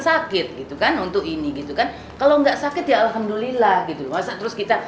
sakit gitu kan untuk ini gitu kan kalau enggak sakit ya alhamdulillah gitu masa terus kita